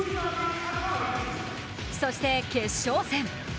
そして、決勝戦。